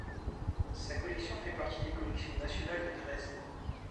Sa collection fait partie des Collections Nationales de Dresde.